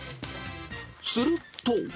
すると。